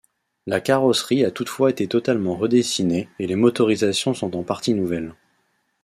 La carrosserie a toutefois été totalement redessinée et les motorisations sont en partie nouvelles.